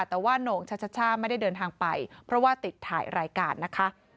แต่ว่าโหน่งชัชช่าไม่ได้เดินทางไปเพราะว่าติดถ่ายรายการนะคะ